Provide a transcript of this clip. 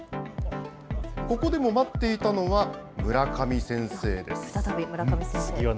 ここでも待っていたのは村上先生です。